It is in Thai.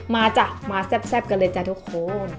จ้ะมาแซ่บกันเลยจ้ะทุกคน